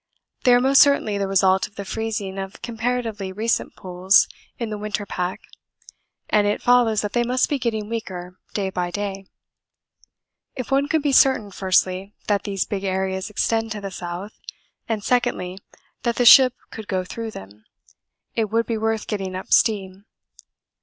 They are most certainly the result of the freezing of comparatively recent pools in the winter pack, and it follows that they must be getting weaker day by day. If one could be certain firstly, that these big areas extend to the south, and, secondly, that the ship could go through them, it would be worth getting up steam.